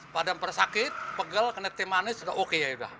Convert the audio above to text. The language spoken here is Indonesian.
padahal persakit pegal kena teh manis udah oke ya